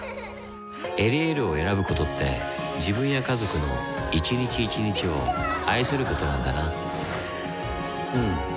「エリエール」を選ぶことって自分や家族の一日一日を愛することなんだなうん。